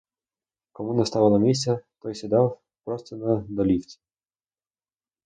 Кому не ставало місця, той сідав просто на долівці.